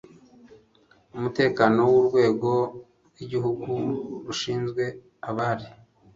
umutekano w'Urwego rw'Igihugu rushinzwe abari